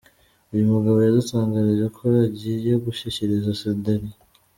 Uyu mugabo yadutangarije ko ajyiye gushyikiriza Senderi.